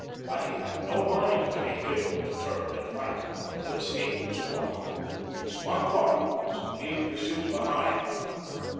But he had no mind to be killed to turn and fight till escape was blocked. His one thought was to leave pursuit behind.